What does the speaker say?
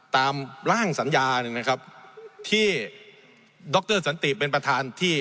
ตามร่างสัญญาหนึ่งนะครับที่ดรสันติเป็นประธานที่